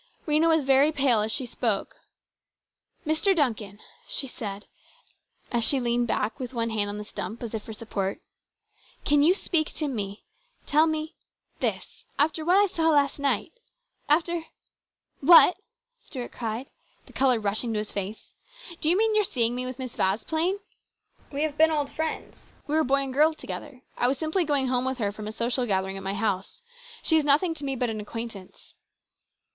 Rhena was very pale as she spoke. " Mr. Duncan," she said, as she leaned back with one hand on the stump as if for support, "can you speak to me tell me this after what I saw last night after "" What !" cried Stuart, the colour rushing to his face, " do you mean your seeing me with Miss Vasplaine ? We have been old friends. We were boy and girl together. I was simply going home with her from a social gathering at my house. She is nothing to me but an acquaintance."